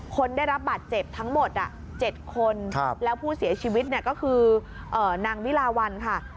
คนได้รับบาดเจ็บทั้งหมด๗คนแล้วผู้เสียชีวิตก็คือนางวิลาวันค่ะ